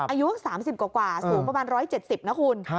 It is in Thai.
อายุ๓๐กว่าสูงประมาณ๑๗๐นะคุณ